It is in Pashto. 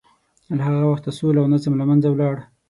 له هغه وخته سوله او نظم له منځه ولاړ.